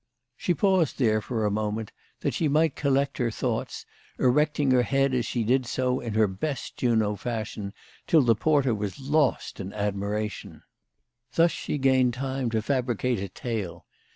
She paused, therefore, for a moment, p 210 CHRISTMAS AT THOMPSON HALL. that she might collect her thoughts, erecting her head as she did so in her best Juno fashion, till the porter was lost in admiration. Thus she gained time to fabricate a tale.